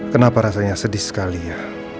kenapa rasanya sedih sekali ya